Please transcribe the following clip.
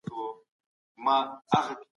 اقتصادي اهداف په اسانۍ سره ترلاسه کیږي.